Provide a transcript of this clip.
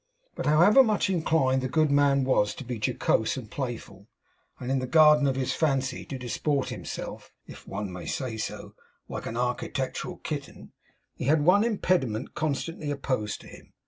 But however much inclined the good man was to be jocose and playful, and in the garden of his fancy to disport himself (if one may say so) like an architectural kitten, he had one impediment constantly opposed to him.